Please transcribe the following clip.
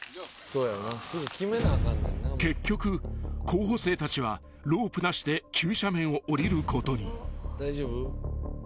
［結局候補生たちはロープなしで急斜面をおりることに］